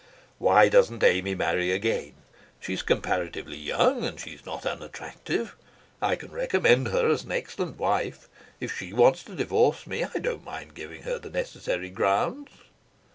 "Why doesn't Amy marry again? She's comparatively young, and she's not unattractive. I can recommend her as an excellent wife. If she wants to divorce me I don't mind giving her the necessary grounds."